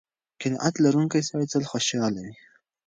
قناعت لرونکی سړی تل خوشحاله وي.